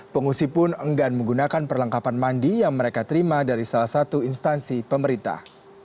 pengungsi pun enggan menggunakan perlengkapan mandi yang mereka terima dari salah satu instansi pemerintah